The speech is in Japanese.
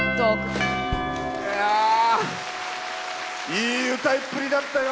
いい歌いっぷりだったよ。